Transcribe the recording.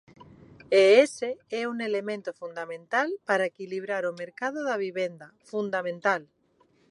E ese é un elemento fundamental parar equilibrar o mercado da vivenda, fundamental.